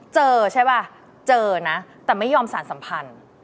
เจอใช่ป่ะเจอนะแต่ไม่ยอมสารสัมพันธ์